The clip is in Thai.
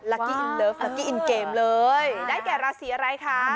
กี้อินเลิฟลักกี้อินเกมเลยได้แก่ราศีอะไรคะ